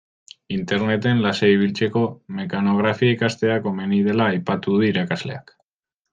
Interneten lasai ibiltzeko mekanografia ikastea komeni dela aipatu du irakasleak.